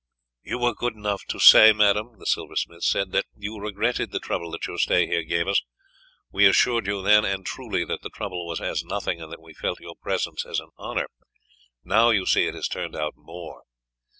"You were good enough to say, madame," the silversmith said, "that you regretted the trouble that your stay here gave us. We assured you then, and truly, that the trouble was as nothing, and that we felt your presence as an honour; now you see it has turned out more.